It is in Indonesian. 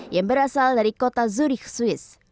yang berasal dari kota zurich swiss